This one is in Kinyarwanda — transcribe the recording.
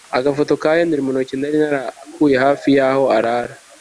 agafoto ka Henry muntoki nari narakuye hafi yaho arara